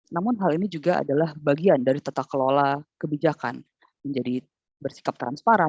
namun hal ini juga adalah bagian dari tata kelola kebijakan menjadi bersikap transparan